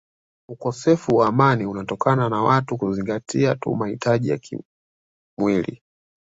Ukosefu wa amani unatokana na watu kuzingatia tu mahitaji ya kimwili